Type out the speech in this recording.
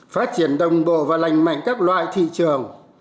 phát triển đồng bộ và lành mạnh các loại thị trường